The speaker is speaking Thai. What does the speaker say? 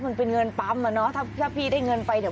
มันเป็นเงินปั๊มอ่ะเนอะถ้าพี่ได้เงินไปเดี๋ยว